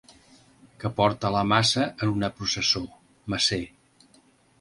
Que porta la maça en una processó, macer.